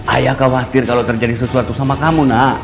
ayah khawatir kalau terjadi sesuatu sama kamu nak